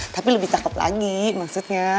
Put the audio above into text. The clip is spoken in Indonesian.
tapi lebih cakep lagi maksudnya